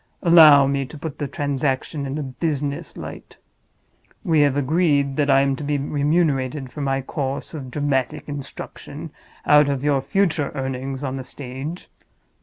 Allow me to put the transaction in a business light. We have agreed that I am to be remunerated for my course of dramatic instruction out of your future earnings on the stage.